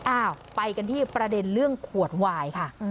อ้าวไปกันที่ประเด็นเรื่องขวดวายค่ะ